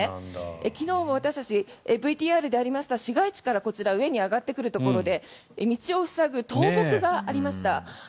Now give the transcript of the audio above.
昨日も私たちＶＴＲでありました市街地から上に上がってくるところで道を塞ぐ倒木がありました。